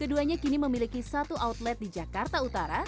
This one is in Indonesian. keduanya kini memiliki satu outlet di jakarta utara